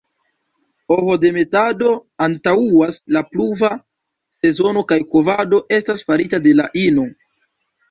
Ovodemetado antaŭas la pluva sezono kaj kovado estas farita de la ino.